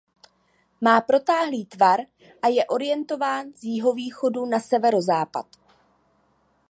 Má protáhlý tvar a je orientován z jihovýchodu na severozápad.